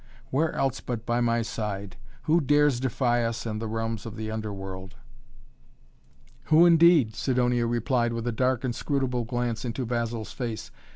"Where else but by my side? Who dares defy us and the realms of the Underworld?" "Who, indeed?" Sidonia replied with a dark, inscrutable glance into Basil's face.